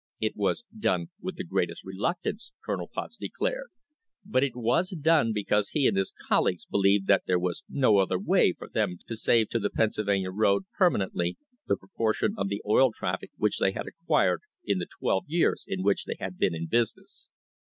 It was done with the greatest reluc tance, Colonel Potts declared, but it was done because he and his colleagues believed that there was no other way for them to save to the Pennsylvania road permanently the proportion of the oil traffic which they had acquired in the twelve years in which they had been in business.